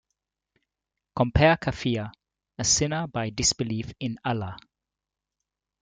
Compare kafir, a "sinner by disbelief in Allah".